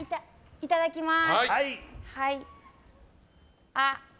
いただきます。